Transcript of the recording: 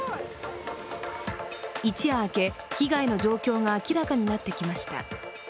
一夜明け、被害の状況が明らかになってきました。